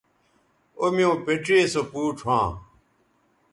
او میوں پڇے سو پوڇ ھواں